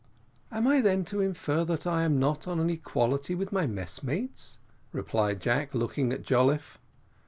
"Am I then to infer that I am not on an equality with my messmates?" replied Jack, looking at Jolliffe.